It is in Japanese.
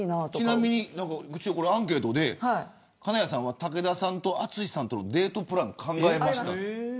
ちなみにアンケートで金谷さんは武田さんと淳さんとのデートプランを考えました。